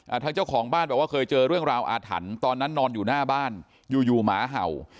ทางเจ้าของบ้านบอกว่าเคยเจอเรื่องราวอาถรรพ์ตอนนั้นนอนอยู่หน้าบ้านอยู่อยู่หมาเห่า